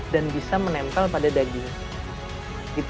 dan bisa menempel pada daging